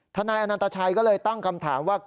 นายอนันตชัยก็เลยตั้งคำถามว่า